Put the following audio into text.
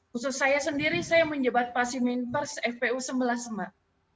khusus saya sendiri saya menjabat pasimin pers fpu sebelas mbak